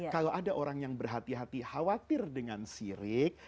kalau ada orang yang berhati hati khawatir dengan sirik